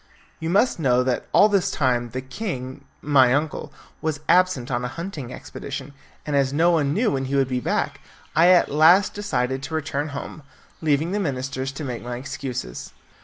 You must know that all this time the king, my uncle, was absent on a hunting expedition, and as no one knew when he would be back, I at last decided to return home, leaving the ministers to make my excuses.